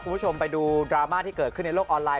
คุณผู้ชมไปดูดราม่าที่เกิดขึ้นในโลกออนไลน